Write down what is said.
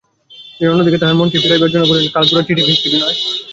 তিনি অন্য দিকে তাহার মনকে ফিরাইবার জন্য বলিলেন, কাল গোরার চিঠি পেয়েছি বিনয়।